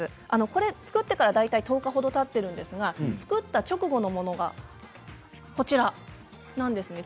これは作ってから１０日ほどたっているんですが作った直後のものがこちらの写真なんですね。